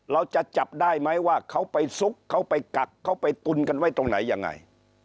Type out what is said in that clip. เราจะจับได้ไหมว่าเขาไปซุกเขาไปกักเขาไปตุนกันไว้ตรงไหนยังไง